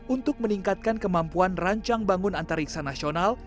untuk meningkatkan kemampuan rancang bangun antariksa nasional